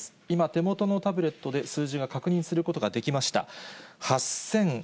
今手元のタブレットで数字が確認することができました。